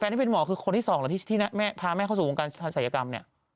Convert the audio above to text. แฟนที่เป็นหมอคือคนที่ส่องที่พาแม่เข้าสู่วงการทันศัยกรรม